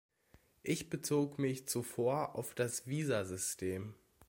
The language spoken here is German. Ich bezog mich zuvor auf das Visasystem.